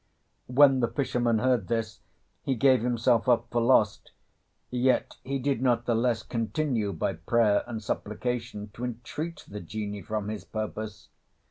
When the fisherman heard this he gave himself up for lost, yet he did not the less continue by prayer and supplication to entreat the Genie from his purpose.